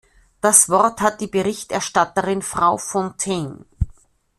Das Wort hat die Berichterstatterin Frau Fontaine.